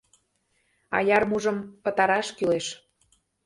«Аярмужым» пытараш кӱлеш.